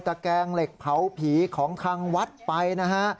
แกงเหล็กเผาผีของทางวัดไปนะฮะ